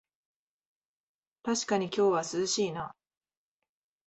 たしかに今日は涼しいな